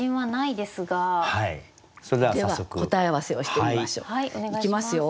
では答え合わせをしてみましょう。いきますよ。